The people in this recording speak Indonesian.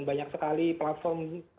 banyak sekali platform